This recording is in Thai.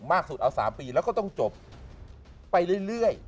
สุดเอา๓ปีแล้วก็ต้องจบไปเรื่อย